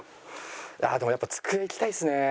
でもやっぱ机いきたいですね。